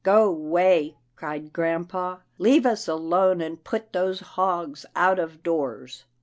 "Go 'way," cried grampa, "leave us alone — and put those hogs out of doors."